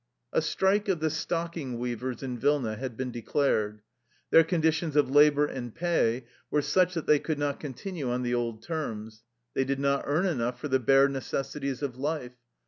A strike of the stocking weavers in Vilna had been declared. Their conditions of labor and pay were such that they could not continue on the old terms. They did not earn enough for the bare necessities of life.